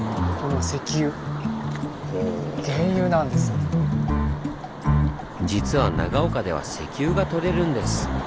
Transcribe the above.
実は実は長岡では石油が採れるんです。